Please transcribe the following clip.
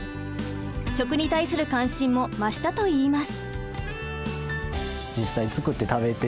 食に対する関心も増したと言います。